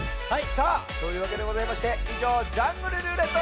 さあというわけでございましていじょう「ジャングルるーれっと」